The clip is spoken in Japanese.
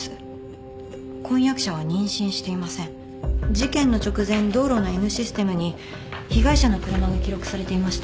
事件の直前道路のＮシステムに被害者の車が記録されていました。